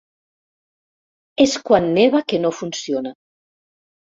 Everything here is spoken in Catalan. És quan neva que no funciona.